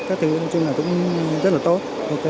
các thứ nói chung là cũng rất là tốt